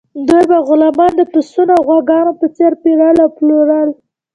دوی به غلامان د پسونو او غواګانو په څیر پیرل او پلورل.